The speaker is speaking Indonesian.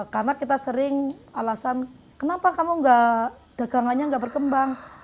karena kita sering alasan kenapa kamu dagangannya enggak berkembang